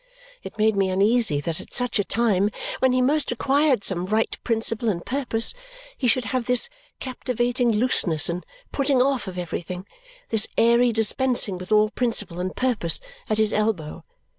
It made me uneasy that at such a time when he most required some right principle and purpose he should have this captivating looseness and putting off of everything, this airy dispensing with all principle and purpose, at his elbow.